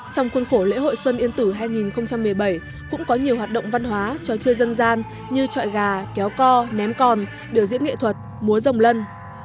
trong khuôn khổ lễ hội xuân yên tử hai nghìn một mươi bảy cũng có nhiều hoạt động văn hóa trò chơi dân gian như trọi gà kéo co ném còn biểu diễn nghệ thuật múa rồng lân